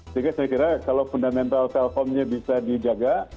sehingga saya kira kalau fundamental telkomnya bisa dijaga